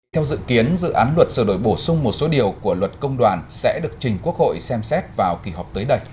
theo dự kiến dự án luật sửa đổi bổ sung một số điều của luật công đoàn sẽ được trình quốc hội xem xét vào kỳ họp tới đây